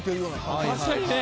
確かにね。